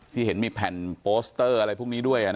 ที่เห็นมีแผ่นโปสเตอร์อะไรพวกนี้ด้วย